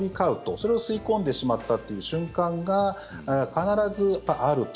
それを吸い込んでしまったっていう瞬間が、必ずあると。